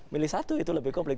milih satu itu lebih kompleks